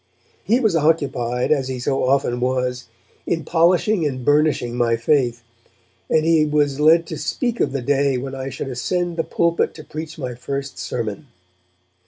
He was occupied, as he so often was, in polishing and burnishing my faith, and he was led to speak of the day when I should ascend the pulpit to preach my first sermon.